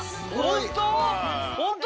本当？